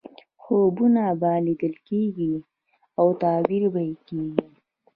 خوبونه به لیدل کېږي او تعبیر به یې کېږي.